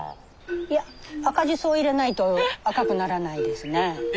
いや赤じそを入れないと赤くならないですねえ。